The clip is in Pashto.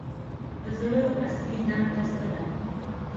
د زړه اصلي دنده څه ده